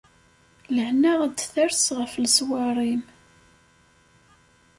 Lehna ad d-ters ɣef leṣwar-im.